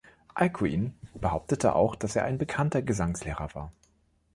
Alcuin behauptete auch, dass er ein bekannter Gesangslehrer war.